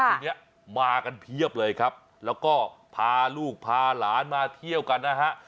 ทีนี้มากันเพียบเลยครับแล้วก็พาลูกพาหลานมาเที่ยวกันนะฮะ